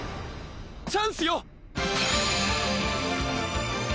チャンスよ！